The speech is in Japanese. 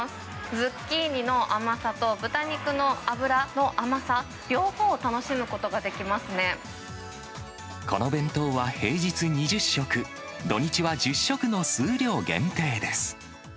ズッキーニの甘さと豚肉の脂の甘さ、この弁当は平日２０食、土日は１０食の数量限定です。